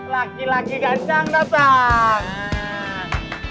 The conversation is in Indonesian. laki laki gancang datang